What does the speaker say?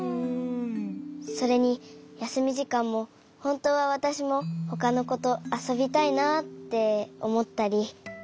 それにやすみじかんもほんとうはわたしもほかのことあそびたいなっておもったり。